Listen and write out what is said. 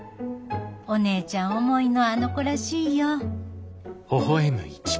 お姉ちゃん思いのあの子らしいよ。